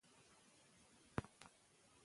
انسان باید د سالمې غذا د اهمیت په اړه پوه شي.